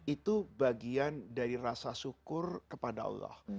itu bagian dari rasa syukur kepada allah